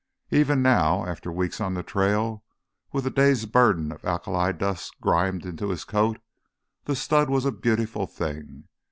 Even now, after weeks on the trail, with a day's burden of alkali dust grimed into his coat, the stud was a beautiful thing.